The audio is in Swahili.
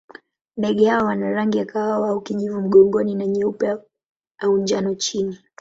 Ndege hawa wana rangi ya kahawa au kijivu mgongoni na nyeupe au njano chini.